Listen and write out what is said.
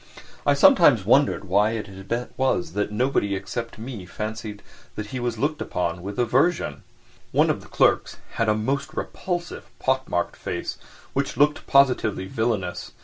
I sometimes wondered why it was that nobody except me fancied that he was looked upon with aversion? One of the clerks had a most repulsive, pock marked face, which looked positively villainous.